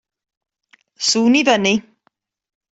Sŵn i fyny